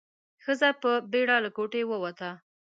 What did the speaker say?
ښځه په بيړه له کوټې ووته.